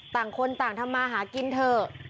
ต่างคนต่างทำมาหากินเถอะ